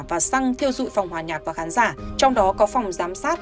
và xăng thiêu dụi phòng hòa nhạc và khán giả trong đó có phòng giám sát